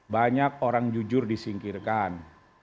banyak orang jujur disingkirkan